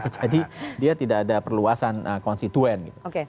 jadi dia tidak ada perluasan konstituen